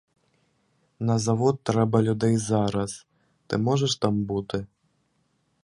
На завод треба людей зараз, ти можеш там бути?